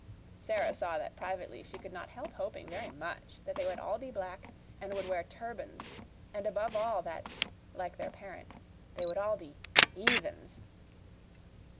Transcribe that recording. Sara saw that privately she could not help hoping very much that they would all be black, and would wear turbans, and, above all, that like their parent they would all be "'eathens."